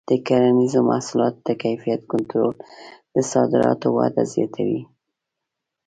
د کرنیزو محصولاتو د کیفیت کنټرول د صادراتو وده زیاتوي.